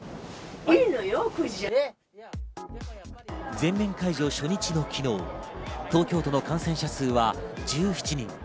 全面解除初日の昨日、東京都の感染者数は１７人。